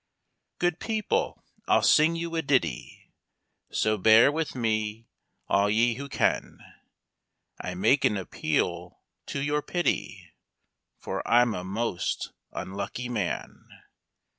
" Good people, I'll sing you a ditty, So bear with me all ye who can; I make an appeal to your pity, For I'm a most unlucky man.